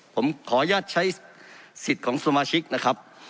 ผมขออนุญาตใช้สิทธิ์ของสมาชิกนะครับ